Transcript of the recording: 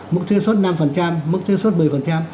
mức thuế xuất năm mức thuế xuất một mươi